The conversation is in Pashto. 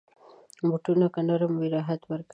بوټونه که نرم وي، راحت ورکوي.